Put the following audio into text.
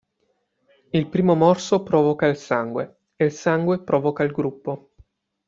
Il primo morso provoca il sangue e il sangue provoca il gruppo".